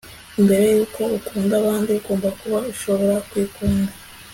mbere yuko ukunda abandi, ugomba kuba ushobora kwikunda